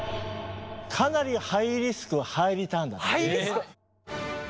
かなりハイリスクハイリターンなんですね。